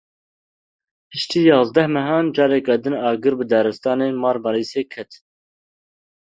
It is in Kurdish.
Piştî yazdeh mehan careke din agir bi daristanên Marmarîsê ket.